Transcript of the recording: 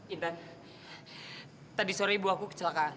indra tadi sore ibu aku kecelakaan